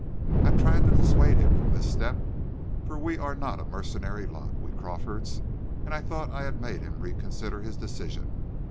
I tried to dissuade him from this step, for we are not a mercenary lot, we Crawfords, and I thought I had made him reconsider his decision.